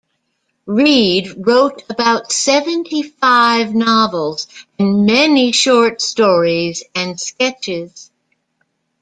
Reid wrote about seventy-five novels, and many short stories and sketches.